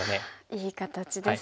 いい形ですね。